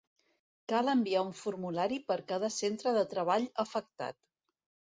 Cal enviar un formulari per cada centre de treball afectat.